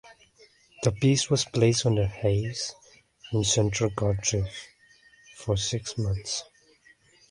The piece was placed on The Hayes in central Cardiff for six months.